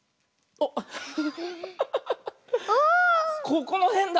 ここのへんだ。